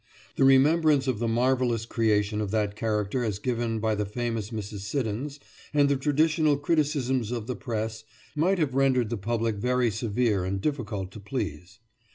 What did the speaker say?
The remembrance of the marvellous creation of that character as given by the famous Mrs. Siddons and the traditional criticisms of the press, might have rendered the public very severe and difficult to please.